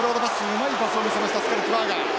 うまいパスを見せましたスカルクバーガー。